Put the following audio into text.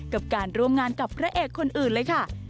กับการร่วมงานกับพระเอกคนอื่นเลยค่ะ